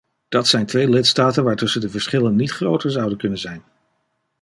Dat zijn twee lidstaten waartussen de verschillen niet groter zouden kunnen zijn.